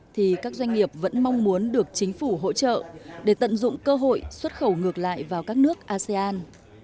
thì các doanh nghiệp vẫn mong muốn được chính phủ hỗ trợ để tận dụng cơ hội xuất khẩu ngược lại vào các nước asean